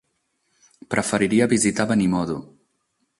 Preferiria visitar Benimodo.